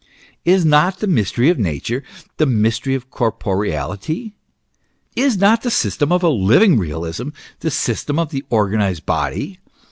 " Is not the mystery of Nature the mystery of corpo reality ? Is not the system of a " living realism " the system of the organized body